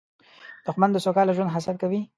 دښمن د سوکاله ژوند حسد کوي